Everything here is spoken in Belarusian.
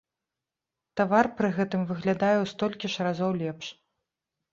Тавар пры гэтым выглядае ў столькі ж разоў лепш.